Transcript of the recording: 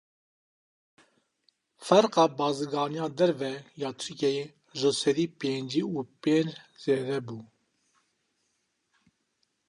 Ferqa bazirganiya derve ya Tirkiyeyê ji sedî pêncî û pênc zêde bû.